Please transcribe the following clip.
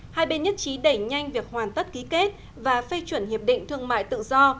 hai bên nhất trí đẩy nhanh việc hoàn tất ký kết và phê chuẩn hiệp định thương mại tự do